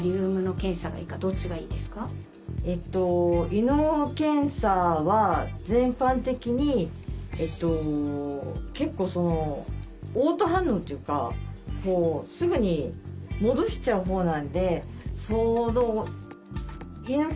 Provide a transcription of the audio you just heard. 胃の検査は全般的に結構おう吐反応というかすぐに戻しちゃうほうなんで。